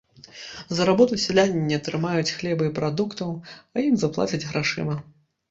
За работу сяляне не атрымаюць хлеба і прадуктаў, а ім заплацяць грашыма.